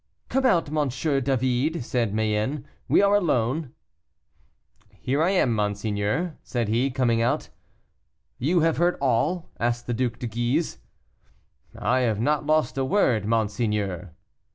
"Come out, M. David," said Mayenne, "we are alone." "Here I am, monseigneur," said he, coming out. "You have heard all?" asked the Duc de Guise. "I have not lost a word, monseigneur."